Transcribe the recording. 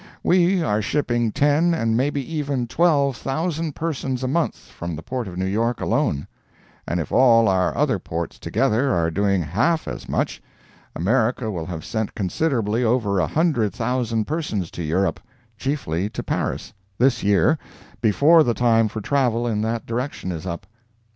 We are shipping ten and maybe even twelve thousand persons a month from the port of New York alone, and if all our other ports together are doing half as much, America will have sent considerably over a hundred thousand persons to Europe, (chiefly to Paris,) this year before the time for travel in that direction is up.